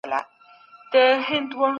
دغه مینه او لېوالتیا باید هېڅکله کمه نه سی.